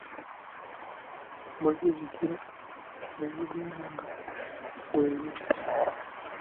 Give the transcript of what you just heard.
Bwe guzikira ne gugenda nga guggwerera.